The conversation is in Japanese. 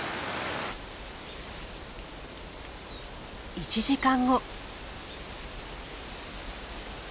１時間後。